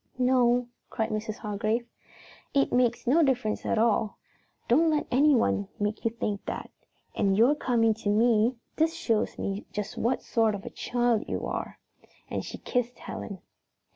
"No," cried Mrs. Hargrave. "It makes no difference at all. Don't let anyone make you think that. And your coming to tell me this shows me just what sort of a child you are," and she kissed Helen.